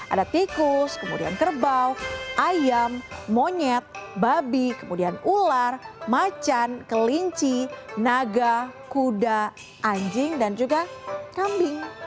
ada tikus kemudian kerbau ayam monyet babi kemudian ular macan kelinci naga kuda anjing dan juga kambing